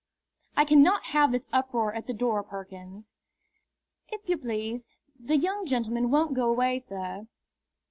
"I cannot have this uproar at the door, Perkins!" "If you please, the young gentleman won't go away, sir."